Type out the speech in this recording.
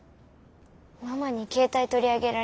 ママに携帯取り上げられて。